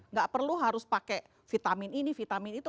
nggak perlu harus pakai vitamin ini vitamin itu